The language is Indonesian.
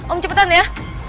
om cepetan ya